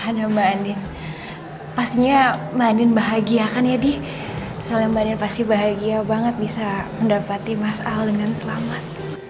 halo mbak andin pastinya mbak andin bahagia kan ya di soalnya mbak nian pasti bahagia banget bisa mendapati mas al dengan selamat